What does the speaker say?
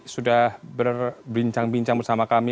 sudah berbincang bincang bersama kami